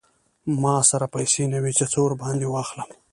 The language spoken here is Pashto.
ما سره پیسې نه وې چې څه ور باندې واخلم.